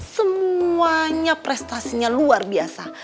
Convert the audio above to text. semuanya prestasinya luar biasa